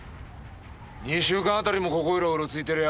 ２週間あたりもここいらうろついてりゃ